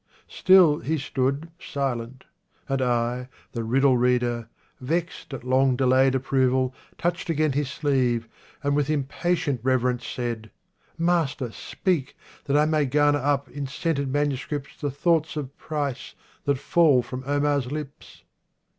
Still he stood Silent, and I, the riddle reader, vexed At long delayed approval, touched again His sleeve, and with impatient reverence Said, " Master, speak, that I may garner up In scented manuscripts the thoughts of price That fall from Omar's lips."